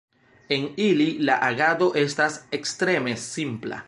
En ili la agado estas ekstreme simpla.